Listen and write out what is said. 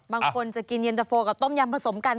บางคนจะกินเย็นตะโฟกับต้มยำผสมกัน